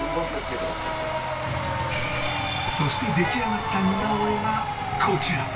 そして出来上がった似顔絵がこちら